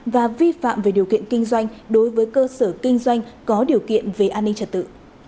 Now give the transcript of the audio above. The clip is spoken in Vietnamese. và vi phạm về điều kiện kinh doanh đối với cơ sở kinh doanh có điều kiện về an ninh trật tự